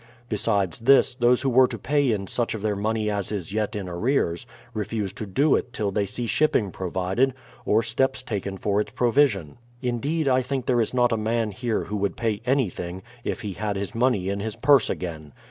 Besides this, those who were to pay in such of their money as is j'et in arrears, refuse to do it till they see shipping provided, or steps taken for its provision. Indeed, I think there is not a man here who would pay anything, if he had his money in his purse again.